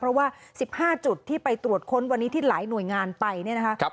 เพราะว่า๑๕จุดที่ไปตรวจค้นวันนี้ที่หลายหน่วยงานไปเนี่ยนะคะ